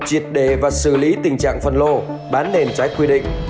triệt đề và xử lý tình trạng phân lô bán nền trái quy định